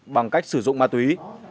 bằng cách sử dụng ma túy